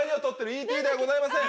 『Ｅ．Ｔ．』ではございません。